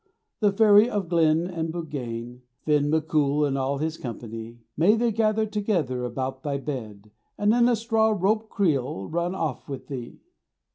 The Fairy of the Glen and the Buggane, Finn MacCool and all his company; May they gather together about thy bed, And in a straw rope creel run off with thee.